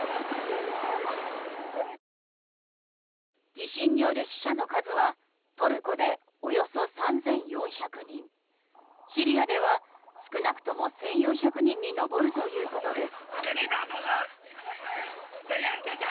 地震による死者の数はトルコでおよそ３４００人シリアでは少なくとも１４００人に上るということです。